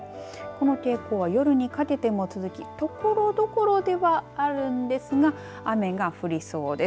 この傾向は夜にかけても続きところどころではあるんですが雨が降りそうです。